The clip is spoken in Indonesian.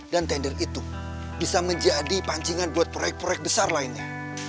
dan tender itu bisa menjadi pancingan buat proyek proyek besar lainnya